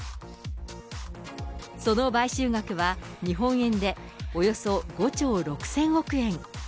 その買収額は、日本円でおよそ５兆６０００億円。